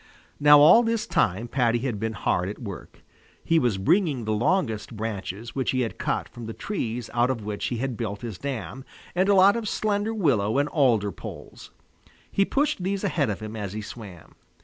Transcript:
Now all this time Paddy had been hard at work. He was bringing the longest branches which he had cut from the trees out of which he had built his dam, and a lot of slender willow and alder poles. He pushed these ahead of him as he swam.